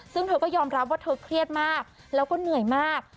ซึ่งเธอก็ยอมรับว่าเธอเครียดมากแล้วก็เหนื่อยมาก